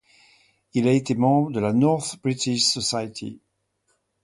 Il a été membre de la North British Society.